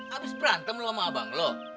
abis berantem lo sama abang lo